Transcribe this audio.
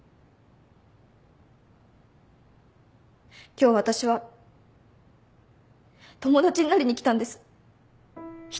今日私は友達になりに来たんです。